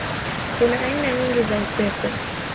Kuna aina nyingi za upepo.